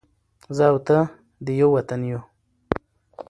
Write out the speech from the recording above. زه او ته دې ېو وطن ېو